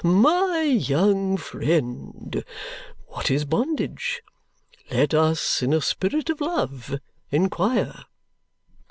My young friend, what is bondage? Let us, in a spirit of love, inquire."